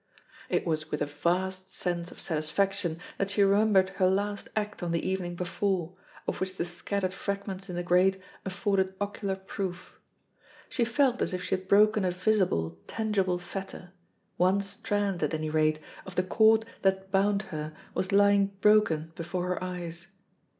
It was with a vast sense of satisfaction that she remembered her last act on the evening before, of which the scattered fragments in the grate afforded ocular proof. She felt as if she had broken a visible, tangible fetter one strand, at any rate, of the cord that hound her was lying broken before her eyes.